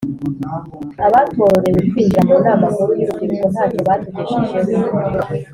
Abatororewe kwinjira munama nkuru y’urubyiruko ntacyo batugejejeho